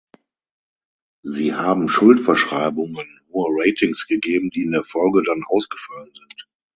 Sie haben Schuldverschreibungen hohe Ratings gegeben, die in der Folge dann ausgefallen sind.